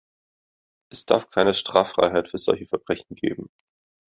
Es darf keine Straffreiheit für solche Verbrechen geben.